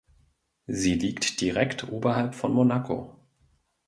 Sie liegt direkt oberhalb von Monaco.